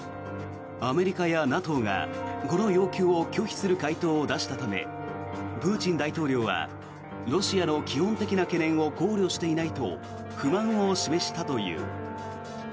アメリカやＮＡＴＯがこの要求を拒否する回答を出したためプーチン大統領はロシアの基本的な懸念を考慮していないと不満を示したという。